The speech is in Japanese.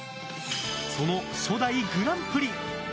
その初代グランプリ！